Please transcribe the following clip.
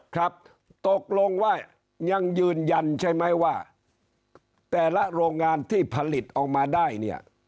ครับตกลงว่ายังยืนยันใช่ไหมว่าแต่ละโรงงานที่ผลิตออกมาได้เนี่ย